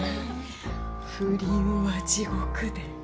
不倫は地獄で。